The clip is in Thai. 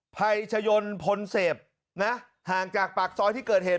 ภัยชยนพลเสพนะห่างจากปากซอยที่เกิดเหตุ